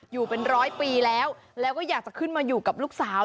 อยู่เป็นร้อยปีแล้วแล้วก็อยากจะขึ้นมาอยู่กับลูกสาว